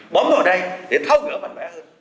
bấm vào đây để tháo gỡ mạnh mẽ hơn